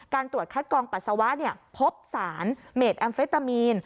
การตรวจคัดกองปัสสาวะเนี่ยพบสารเมตแอมเฟตามีน